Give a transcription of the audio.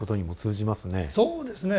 そうですね。